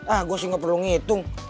ah gua sih nggak perlu ngitung